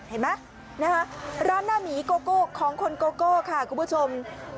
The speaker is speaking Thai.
เห็นไหมร้านหน้าหมีโกโก้ของคนโกโก้ค่ะคุณผู้ชม